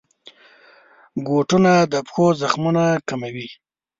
بوټونه د پښو زخمونه کموي.